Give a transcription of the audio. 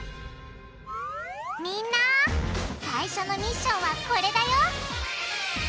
みんな最初のミッションはこれだよ！